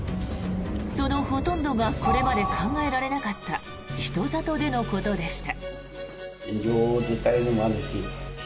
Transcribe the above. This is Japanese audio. そのほとんどがこれまで考えられなかった人里でのことでした。